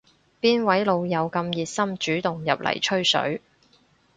邊位老友咁熱心主動入嚟吹水